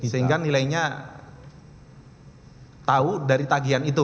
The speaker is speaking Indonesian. sehingga nilainya tahu dari tagihan itu